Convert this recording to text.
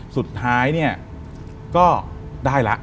สุดท้ายก็ได้แล้ว